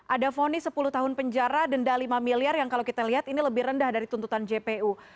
ada fonis sepuluh tahun penjara denda lima miliar yang kalau kita lihat ini lebih rendah dari tuntutan jpu